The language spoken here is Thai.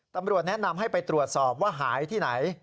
ตำรวจแนะนำให้ไปตรวจสอบว่าหายที่ไหน